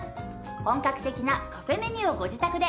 本格的なカフェメニューをご自宅で！